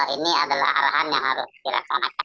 ini adalah arahan yang harus dilaksanakan